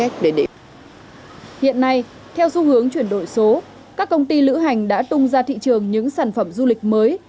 hiện nay theo xu hướng chuyển đổi số các công ty lữ hành đã tung ra thị trường những sản phẩm du lịch mới